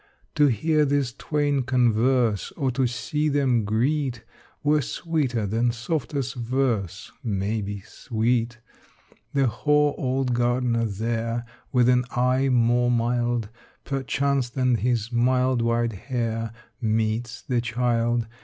To hear these twain converse Or to see them greet Were sweeter than softest verse May be sweet. The hoar old gardener there With an eye more mild Perchance than his mild white hair Meets the child.